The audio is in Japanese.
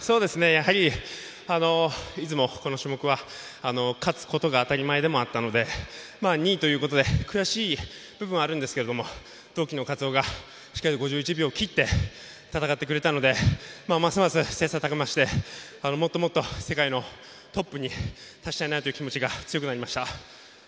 やはりいつもこの種目は勝つことが当たり前でもあったので２位ということで悔しい部分はあるんですけれども同期のカツオがしっかりと５１秒を切って戦ってくれたのでますます切さたく磨してもっともっと世界のトップに立ちたいなという気持ちが強くなりました。